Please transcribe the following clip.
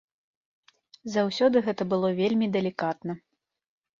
Заўсёды гэта было вельмі далікатна.